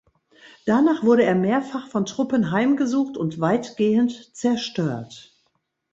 Danach wurde er mehrfach von Truppen heimgesucht und weitgehend zerstört.